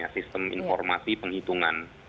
sistem informasi penghitungan